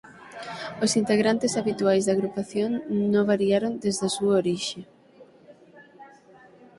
Os integrantes habituais da agrupación no variaron desde a súa orixe.